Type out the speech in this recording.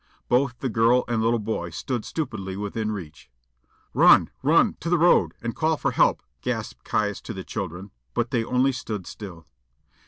Both the girl and little boy stood stupidly within reach. "Run run to the road, and call for help!" gasped Caius to the children, but they only stood still.